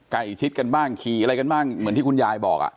ใกล้ชิดกันบ้างขี่อะไรกันบ้างเหมือนที่คุณยายบอก